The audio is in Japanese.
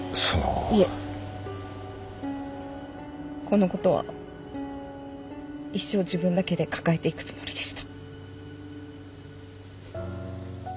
このことは一生自分だけで抱えていくつもりでした。